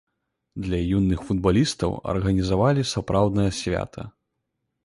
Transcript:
Для юных футбалістаў арганізавалі сапраўднае свята.